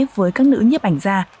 với các nữ nhếp ảnh gia